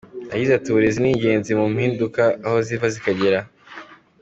Yagize ati “Uburezi ni ingenzi mu mpinduka aho ziva zikagera.